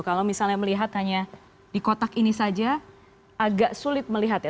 kalau misalnya melihat hanya di kotak ini saja agak sulit melihat ya